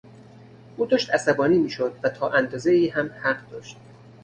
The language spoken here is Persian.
او داشت عصبانی میشد و تا اندازهای هم حق داشت.